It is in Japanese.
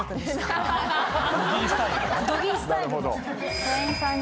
ドギースタイルね。